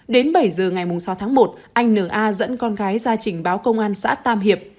đến bảy giờ ngày sáu tháng một anh n a dẫn con gái ra trình báo công an xã tam hiệp